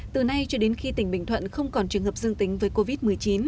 từ nay cho đến khi tỉnh bình thuận không còn trường hợp dương tính với covid một mươi chín